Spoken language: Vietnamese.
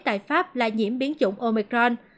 tại pháp là nhiễm biến chủng omicron